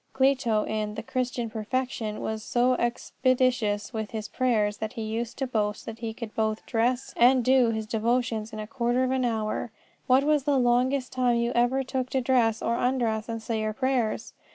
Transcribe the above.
Clito in the Christian Perfection was so expeditious with his prayers that he used to boast that he could both dress and do his devotions in a quarter of an hour. What was the longest time you ever took to dress or undress and say your prayers?